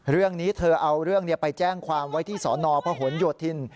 เรื่องนี้เธอเอาเรื่องไปแจ้งความไว้ที่สนพหนโยธิน